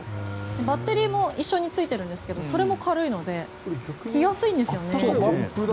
バッテリーも一緒についてるんですがそれも軽いので着やすいんですよね。